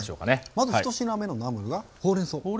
まず１品目のナムルがほうれんそう。